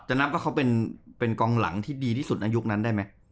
นับว่าเขาเป็นกองหลังที่ดีที่สุดในยุคนั้นได้ไหม